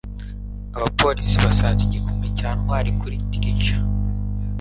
abapolisi basanze igikumwe cya ntwali kuri trigger